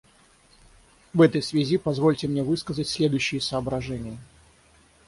В этой связи позвольте мне высказать следующие соображения.